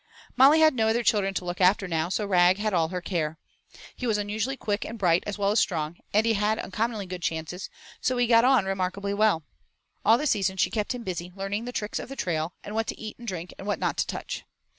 III Molly had no other children to look after now, so Rag had all her care. He was unusually quick and bright as well as strong, and he had uncommonly good chances; so he got on remarkably well. All the season she kept him busy learning the tricks of the trail, and what to eat and drink and what not to touch.